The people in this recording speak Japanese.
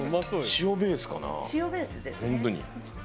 塩ベースですね。